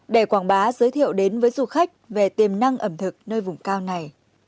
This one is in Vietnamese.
để quảng bá giới thiệu đến với du khách về tiềm năng ẩm thực nơi vùng cao này